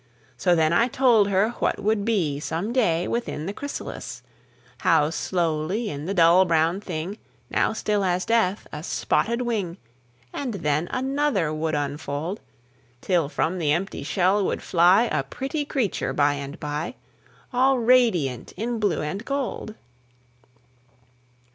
So then I told her what would be Some day within the chrysalis: How, slowly, in the dull brown thing Now still as death, a spotted wing, And then another, would unfold, Till from the empty shell would fly A pretty creature, by and by, All radiant in blue and gold.